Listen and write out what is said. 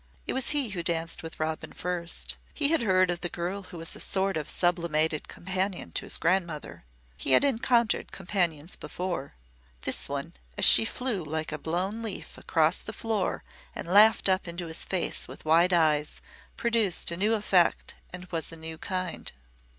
It was he who danced with Robin first. He had heard of the girl who was a sort of sublimated companion to his grandmother. He had encountered companions before. This one, as she flew like a blown leaf across the floor and laughed up into his face with wide eyes produced a new effect and was a new kind.